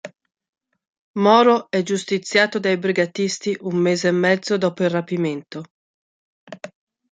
Moro è giustiziato dai brigatisti un mese e mezzo dopo il rapimento.